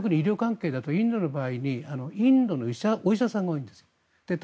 特に医療関係だとインドのお医者さんが多いんです。